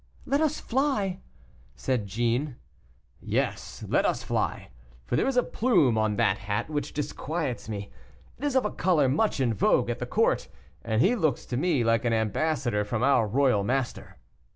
"Let us fly," said Jeanne. "Yes; let us fly, for there is a plume on that hat which disquiets me; it is of a color much in vogue at the court, and he looks to me like an ambassador from our royal master."